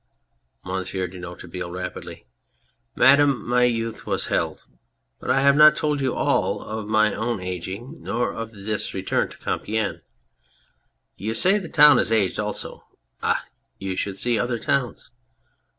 MONSIEUR DE NOIRETABLE (rapidly}. Madame, my youth was held. But I have not told you all of my own ageing nor of this return to Compiegne. ... You say the town has aged also. Ah ! You should see other towns